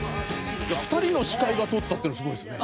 ２人の司会がとったってのがすごいですね。